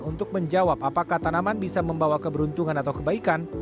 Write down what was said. untuk menjawab apakah tanaman bisa membawa keberuntungan atau kebaikan